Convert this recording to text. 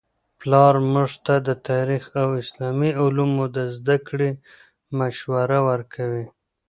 پلار موږ ته د تاریخي او اسلامي علومو د زده کړې مشوره ورکوي.